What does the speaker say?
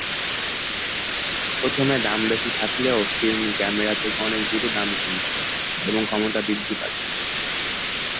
প্রথমে দাম বেশি থাকলেও ফিল্ম ক্যামেরা থেকে অনেক দ্রুত দাম কমছে, এবং ক্ষমতা বৃদ্ধি পাচ্ছে।